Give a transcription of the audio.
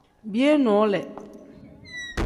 Biyee noole.